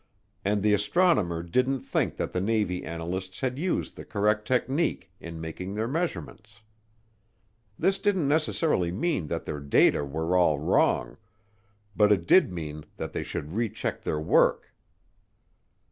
And the astronomer didn't think that the Navy analysts had used the correct technique in making their measurements. This didn't necessarily mean that their data were all wrong, but it did mean that they should recheck their work.